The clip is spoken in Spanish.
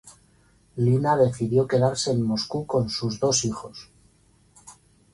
Lina decidió quedarse en Moscú con sus dos hijos.